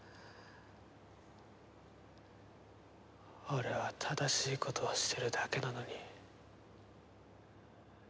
俺は正しいことをしてるだけなのに。